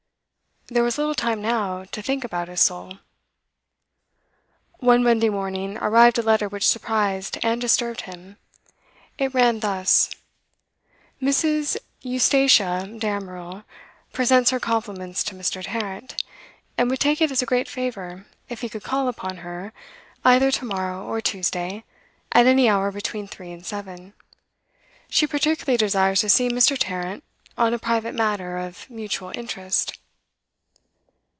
There was little time, now, to think about his soul. One Monday morning arrived a letter which surprised and disturbed him. It ran thus: 'Mrs. Eustace Damerel presents her compliments to Mr. Tarrant, and would take it as a great favour if he could call upon her, either to morrow or Tuesday, at any hour between three and seven. She particularly desires to see Mr. Tarrant on a private matter of mutual interest.